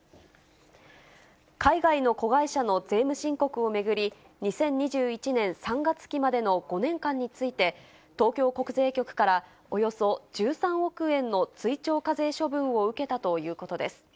海外の子会社の税務申告を巡り、２０２１年３月期までの５年間について、東京国税局からおよそ１３億円の追徴課税処分を受けたということです。